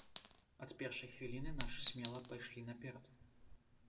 Ад першай хвіліны нашы смела пайшлі наперад.